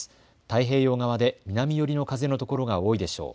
太平洋側で南寄りの風のところが多いでしょう。